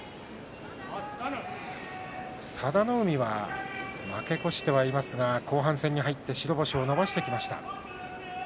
佐田の海は負け越してはいますが後半戦に入って白星を伸ばしてきました。